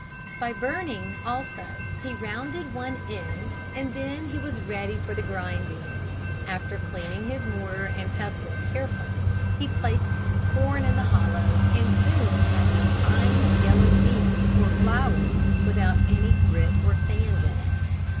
By burning also he rounded one end and then he was ready for the grinding. After cleaning his mortar and pestle carefully he placed some corn in the hollow and soon had some fine yellow meal or flour without any grit or sand in it.